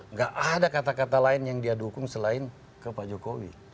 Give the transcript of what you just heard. nggak ada kata kata lain yang dia dukung selain ke pak jokowi